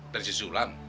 dan si zulan